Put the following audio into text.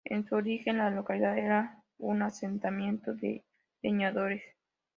En su origen, la localidad era un asentamiento de leñadores.